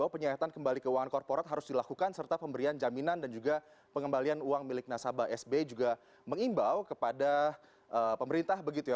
penyayatan kembali keuangan korporat harus dilakukan serta pemberian jaminan dan juga pengembalian uang milik nasabah sbi juga mengimbau kepada pemerintah begitu ya